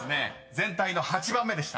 全体の８番目でした］